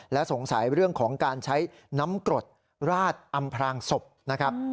และสงสัยเรื่องของการใช้น้ำกรดราดอำพลางศพนะครับ